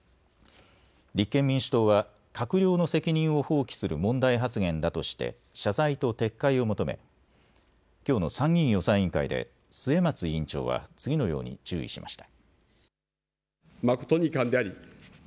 立憲民主党は閣僚の責任を放棄する問題発言だとして謝罪と撤回を求めきょうの参議院予算委員会で末松委員長は次のように注意しました。